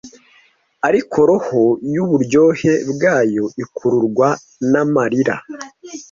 Ariko roho yuburyohe bwayo ikururwa namarira.